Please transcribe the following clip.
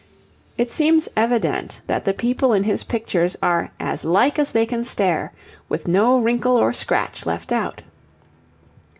It seems evident that the people in his pictures are 'as like as they can stare,' with no wrinkle or scratch left out.